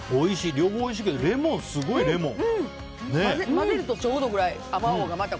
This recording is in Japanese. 両方おいしいけどレモン、すごいレモン。